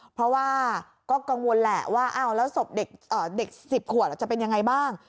เพราะว่าก็กังวลแหละว่าอ้าวแล้วศพเด็กอ่าเด็กสิบขวดจะเป็นยังไงบ้าง